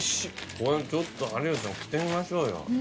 これちょっと有吉さん着てみましょうよ